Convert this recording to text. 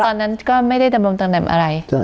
ตอนนั้นก็ไม่ได้ดำรงตำแหน่งอะไร